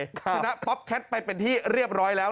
ชนะป๊อปแคทไปเป็นที่เรียบร้อยแล้ว